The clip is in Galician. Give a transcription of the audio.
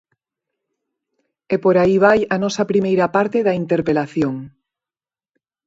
E por aí vai a nosa primeira parte da interpelación.